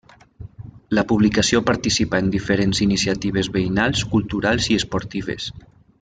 La publicació participa en diferents iniciatives veïnals, culturals i esportives.